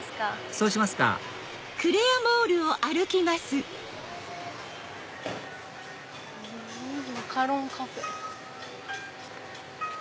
そうしますかマカロンカフェ。